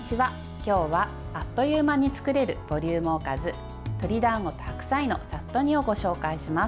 今日は、あっという間に作れるボリュームおかず鶏だんごと白菜のさっと煮をご紹介します。